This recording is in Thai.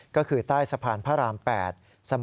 ก็คือใต้สะพานพระราม๘